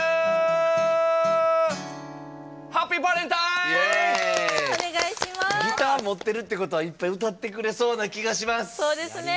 ギター持ってるっていうことはいっぱい歌ってくれそうな気がします。